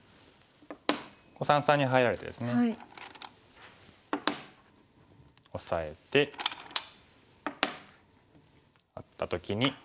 三々に入られてですねオサえてなった時に。